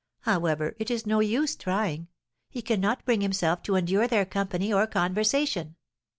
However, it is no use trying; he cannot bring himself to endure their company or conversation.